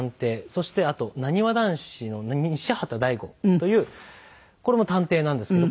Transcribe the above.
そしてあとなにわ男子の西畑大吾というこれも探偵なんですけど。